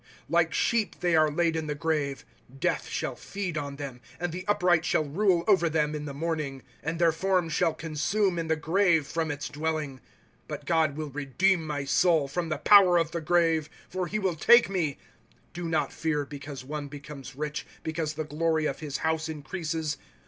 1* Like sheep they are laid in the grave ; Death shall feed on them ; And the upright shall rule over them in the morning ; And their form shall consume in the grave from its dwelling, " But God will redeem my soul from the power of the grave ; For he will take me. ^^ Do not fear, because one becomes rich, Because the glory of his house increases.